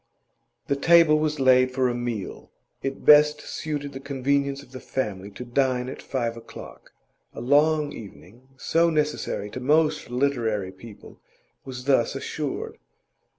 The table was laid for a meal. It best suited the convenience of the family to dine at five o'clock; a long evening, so necessary to most literary people, was thus assured.